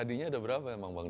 tadinya udah berapa emang bang